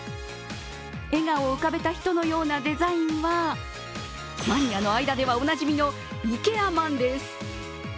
笑顔を浮かべた人のようなデザインはマニアの間ではおなじみのＩＫＥＡＭａｎです